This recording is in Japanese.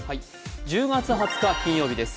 １０月２０日金曜日です。